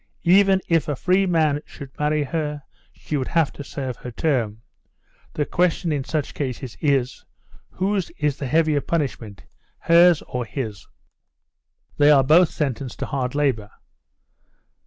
Even if a free man should marry her, she would have to serve her term. The question in such cases is, whose is the heavier punishment, hers or his?" "They are both sentenced to hard labour."